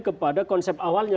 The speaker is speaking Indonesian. kepada konsep awalnya